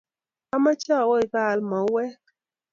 Amache awo ipaal mauwek